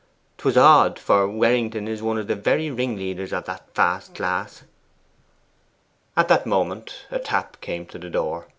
'Twas odd: for Werrington is one of the very ringleaders of the fast class.' At that moment a tap came to the door.